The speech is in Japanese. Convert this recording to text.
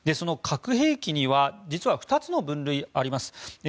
核兵器には実は２つの分類があります。